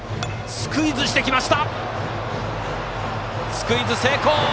スクイズ成功！